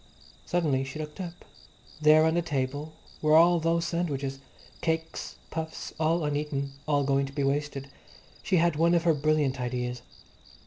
Suddenly she looked up. There on the table were all those sandwiches, cakes, puffs, all uneaten, all going to be wasted. She had one of her brilliant ideas.